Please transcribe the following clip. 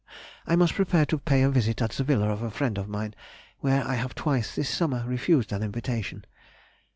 I must prepare to pay a visit at the villa of a friend of mine where I have twice this summer refused an invitation.